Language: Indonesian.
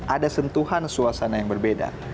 ada sentuhan suasana yang berbeda